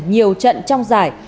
nhiều trận trong giải